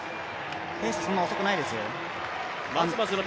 ペース、そんなに遅くないですよ。